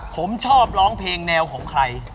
ผมชอบร้องเพลงแนวของใคร